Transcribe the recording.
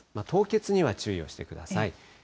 凍結には注意をしてください。